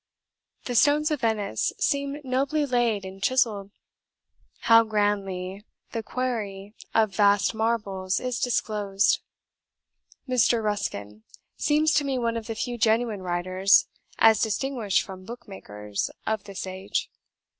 "'The Stones of Venice' seem nobly laid and chiselled. How grandly the quarry of vast marbles is disclosed! Mr. Ruskin seems to me one of the few genuine writers, as distinguished from book makers, of this age.